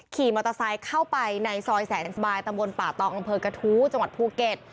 ขี่มอเตอร์ไซค์เข้าไปในซอยแสนสบายตำบลป่าตองอำเภอกระทู้จังหวัดภูเก็ต